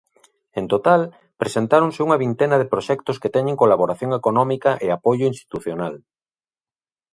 En total, presentáronse unha vintena de proxectos que teñen colaboración económica e apoio institucional.